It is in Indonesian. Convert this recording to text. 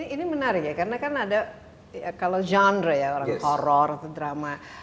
ini menarik ya karena kan ada kalau genre ya orang horror atau drama